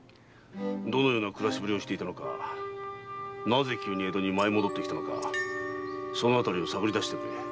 どのような暮らしぶりをしていたのかなぜ急に江戸に舞い戻って来たのかそのあたりを探り出してくれ。